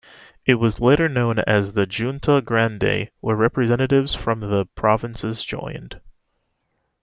It was later known as the "Junta Grande" when representatives from the provinces joined.